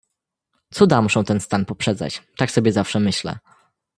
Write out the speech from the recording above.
"Cuda muszą ten stan poprzedzać, tak sobie zawsze myślę."